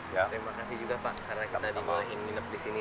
terima kasih juga pak karena kita bisa minum disini